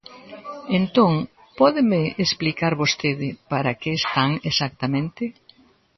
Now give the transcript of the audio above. Entón, ¿pódeme explicar vostede para que están exactamente?